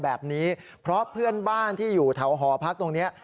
แบบนี้เพราะเพื่อนบ้านที่อยู่แถวหอพักตรงนี้